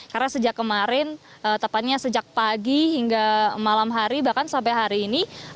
karena sejak kemarin tepatnya sejak pagi hingga malam hari bahkan sampai hari ini